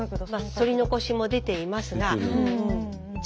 そり残しも出ていますがあっ！